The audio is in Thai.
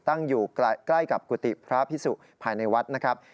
ตั้งอยู่ใกล้กับกุฏิพระพิสุภายในวัดนะครับ